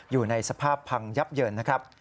อยู่ในสภาพพังยับเยินนะครับ